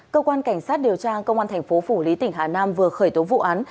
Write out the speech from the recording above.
cơ quan cảnh sát điều tra công an thành phố phủ lý tỉnh hà nam vừa khởi tố vụ án